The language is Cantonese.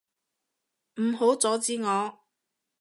唔好阻止我！